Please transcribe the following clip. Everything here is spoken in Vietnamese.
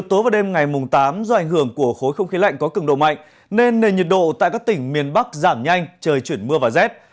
tối và đêm ngày tám do ảnh hưởng của khối không khí lạnh có cường độ mạnh nên nền nhiệt độ tại các tỉnh miền bắc giảm nhanh trời chuyển mưa và rét